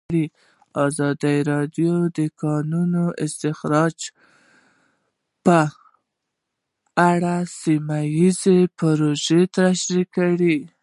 ازادي راډیو د د کانونو استخراج په اړه سیمه ییزې پروژې تشریح کړې.